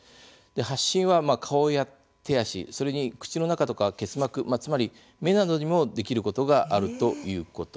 発疹は、顔や手足、それに口の中とか結膜つまり目などにもできることがあるということなんですね。